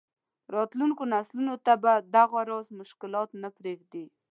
راتلونکو نسلونو ته به دغه راز مشکلات نه پرېږدي.